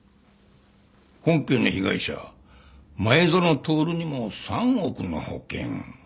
本件の被害者前園徹にも３億の保険。